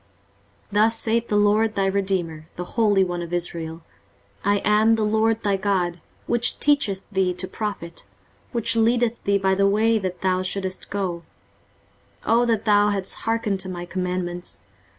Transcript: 23:048:017 Thus saith the LORD, thy Redeemer, the Holy One of Israel; I am the LORD thy God which teacheth thee to profit, which leadeth thee by the way that thou shouldest go. 23:048:018 O that thou hadst hearkened to my commandments!